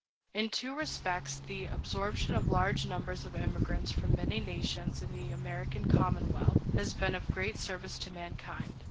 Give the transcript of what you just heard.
In two respects the absorption of large numbers of immigrants from many nations into the American commonwealth has been of great service to mankind.